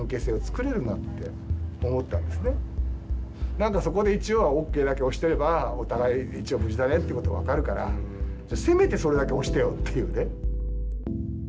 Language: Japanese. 何かそこで一応はＯＫだけ押してればお互い一応無事だねってことが分かるからせめてそれだけ押してよっていうね。